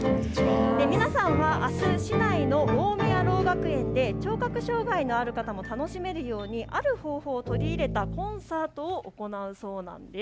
皆さんはあす市内の大宮ろう学園で聴覚障害のある方も楽しめるようにある方法を取り入れたコンサートを行うそうなんです。